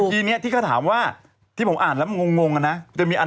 ทั้งสองหนุ่มก็ชี้ต่างคนต่างชี้เข้าหากัน